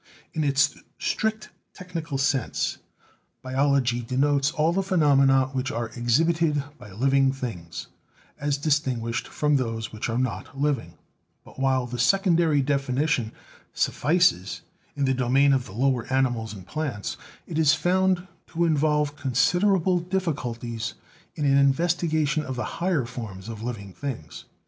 In its strict technical sense, Biology denotes all the phe nomena which are exhibited by living things, as dis tinguished from those which are not living; but while that secondary definition suffices in the domain of the lower animals and plants, it is found to involve considerable difficulties in an investigation of the higher forms of living things.